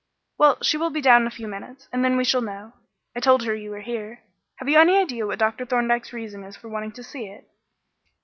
"Well, she will be down in a few minutes, and then we shall know. I told her you were here. Have you any idea what Dr. Thorndyke's reason is for wanting to see it?"